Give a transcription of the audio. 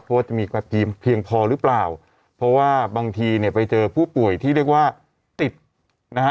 เพราะว่าจะมีความเพียงพอหรือเปล่าเพราะว่าบางทีเนี่ยไปเจอผู้ป่วยที่เรียกว่าติดนะฮะ